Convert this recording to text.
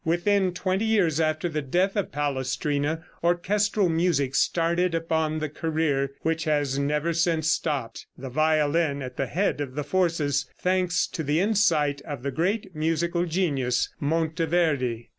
Within twenty years after the death of Palestrina orchestral music started upon the career which has never since stopped, the violin at the head of the forces, thanks to the insight of the great musical genius, Monteverde.